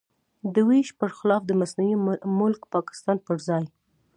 د وېش پر خلاف د مصنوعي ملک پاکستان پر ځای.